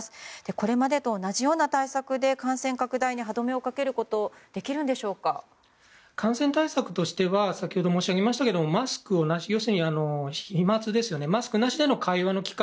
これまでと同じような対策で感染拡大に歯止めをかけることは感染対策としては先ほど申し上げましたがマスクなしでの会話の機会。